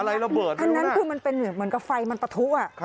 ระเบิดอันนั้นคือมันเป็นเหมือนกับไฟมันปะทุอ่ะ